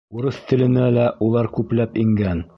Урыҫ теленә лә улар күпләп ингән.